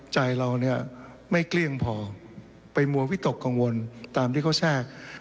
ใจเราเนี่ยไม่เกลี้ยงพอไปมัววิตกกังวลตามที่เขาแทรก